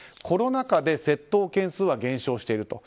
コロナ禍で窃盗件数は減少している。